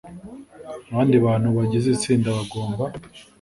abandi bantu bagize itsinda bagomba